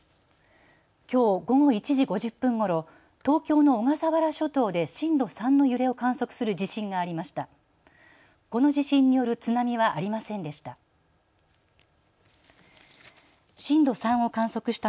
きょう午後１時５０分ごろ、東京の小笠原諸島で震度３の揺れを観測する地震がありました。